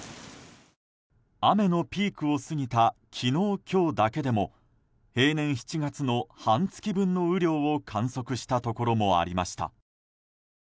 雨のピークを過ぎた昨日、今日だけでも平年７月の半月分の雨量を観測したところもありました。